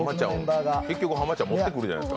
結局濱ちゃん持ってくるじゃない。